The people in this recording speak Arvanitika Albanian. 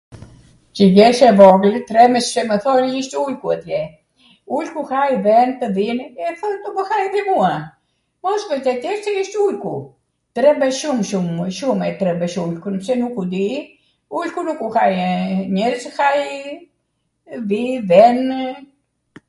Cw jesh e vogwl, trembesh se mw thoj isht ujku atje, ulku haj dhentw, dhinw, mbori to mw haj edhe mua, ..... isht ujku, trembesh shum shum, shum e trembesh ujkun se nuku di ujku nuku haj njerwz, haj dhi, dhenw